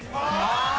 ああ！